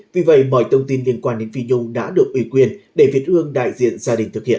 vì vậy mọi thông tin liên quan đến phi nhung đã được ủy quyền để việt hương đại diện gia đình thực hiện